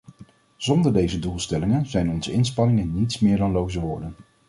Zonder deze doelstellingen zijn onze inspanningen niets meer dan loze woorden.